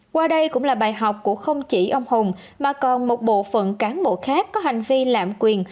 qua đây cũng là bài học của không chỉ ông hùng mà còn một bộ phận cán bộ khác có hành vi lạm quyền